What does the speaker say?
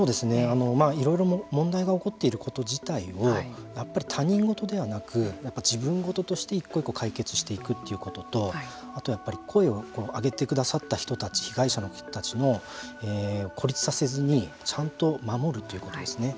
いろいろ問題が起こっていること自体をやっぱり他人事ではなく自分事として１個１個解決していくということとあと声を上げてくださった人たち被害者の人たちを孤立させずにちゃんと守るということですね。